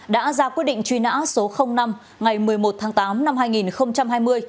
đã ra quyết định truy nã số năm ngày một mươi một tháng tám năm hai nghìn hai mươi